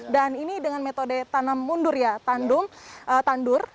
dan ini dengan metode tanam mundur ya tandur